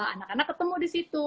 anak anak ketemu di situ